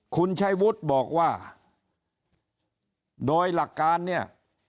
คุณชัยวุฒิบอกว่าโดยหลักการเนี่ย